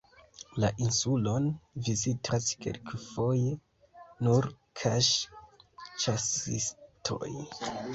La insulon vizitas kelkfoje nur kaŝ-ĉasistoj.